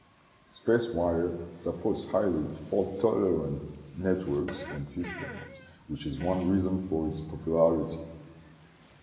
SpaceWire supports highly fault-tolerant networks and systems, which is one reason for its popularity.